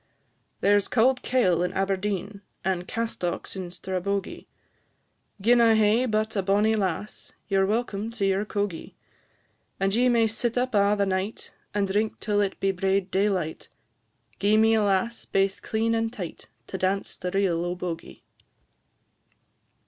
There 's cauld kail in Aberdeen, And castocks in Strabogie; Gin I hae but a bonnie lass, Ye 're welcome to your cogie. And ye may sit up a' the night, And drink till it be braid daylight; Gi'e me a lass baith clean and tight, To dance the reel o' Bogie.